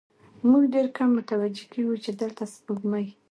موږ ډېر کم متوجه کېږو، چې دلته سپوږمۍ